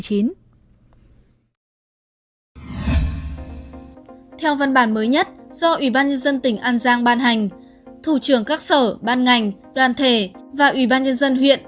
theo văn bản mới nhất do ủy ban nhân dân tỉnh an giang ban hành thủ trưởng các sở ban ngành đoàn thể và ủy ban nhân dân huyện